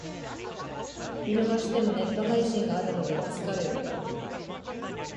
見逃してもネット配信があるので助かる